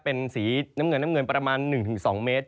เป็นสีน้ำเงินประมาณ๑๒เมตร